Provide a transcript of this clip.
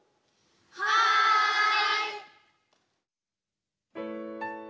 はい！